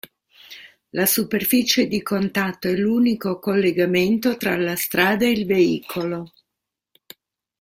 La superficie di contatto è l'unico collegamento tra la strada e il veicolo.